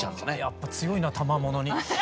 やっぱ強いな玉ものに。